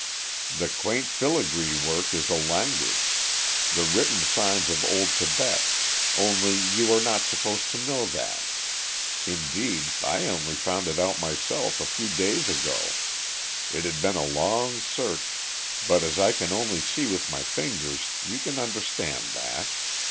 "The quaint filigree work is a language the written signs of old Tibet, only you are not supposed to know that; indeed, I only found it out myself a few days ago. It had been a long search; but, as I can only see with my fingers, you can understand that.